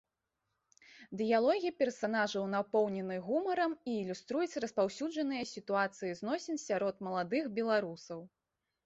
Дыялогі персанажаў напоўнены гумарам і ілюструюць распаўсюджаныя сітуацыі зносін сярод маладых беларусаў.